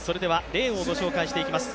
レーンを御紹介していきます。